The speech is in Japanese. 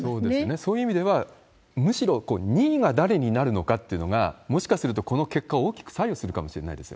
そういう意味では、むしろ２位が誰になるのかっていうのが、もしかするとこの結果を大きく左右するのかもしれないですね。